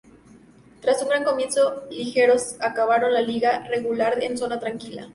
Tras un gran comienzo ligueros acabaron la liga regular en zona tranquila.